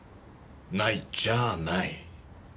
ないっちゃあない。